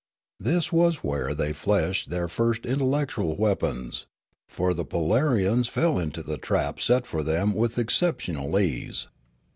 This was where they fleshed their first intel lectual weapons ; for the Polarians fell into the traps set for them with exceptional ease.